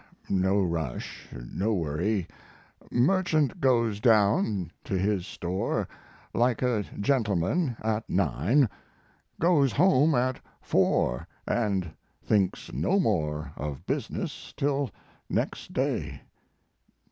no rush, no worry merchant goes down to his store like a gentleman at nine goes home at four and thinks no more of business till next day.